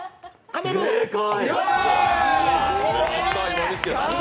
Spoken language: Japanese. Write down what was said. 正解！